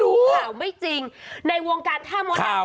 คราวบุรสาหร่างไม่จริงในวงการถ้า